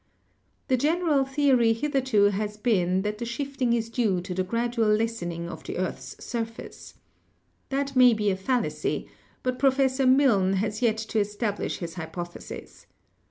The general theory hitherto has been that the shifting is due to the gradual lessening of the earth's surface. That may be a fallacy, but Professor Milne has yet to establish his hy pothesis.